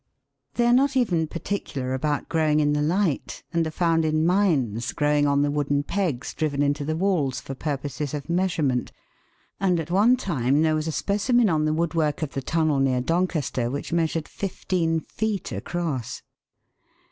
They are not even particular about growing in the light, and are found in mines growing on the wooden pegs driven into the walls for purposes of measurement, and at one time there was a specimen on the woodwork of the tunnel near Doncaster which measured fifteen feet across.